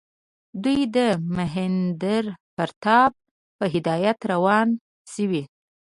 دوی د مهیندراپراتاپ په هدایت روان شوي.